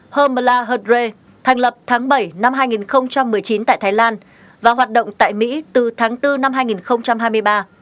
hirmela herdre thành lập tháng bảy năm hai nghìn một mươi chín tại thái lan và hoạt động tại mỹ từ tháng bốn năm hai nghìn một mươi chín